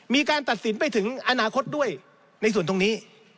มีการตัดสินไปถึงอนาคตด้วยในส่วนตรงนี้